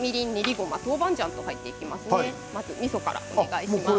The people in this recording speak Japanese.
みそからお願いします。